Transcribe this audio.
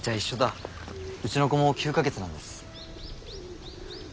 うちの子も９か月なんです。